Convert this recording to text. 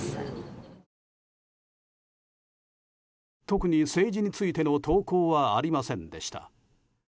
特に政治についての投稿はありませんでした。